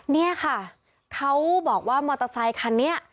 นี่ค่ะเขาบอกว่ามอเตอร์ไซคันนี้